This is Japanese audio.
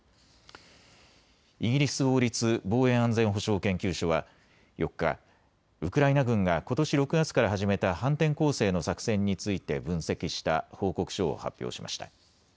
イギリス王立防衛安全保障研究所は４日、ウクライナ軍がことし６月から始めた反転攻勢の作戦について分析した報告書を発表しました。